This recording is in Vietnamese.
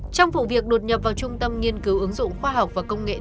trong vụ việc đột nhập vào trung tâm nghiên cứu ứng dụng khoa học và công nghệ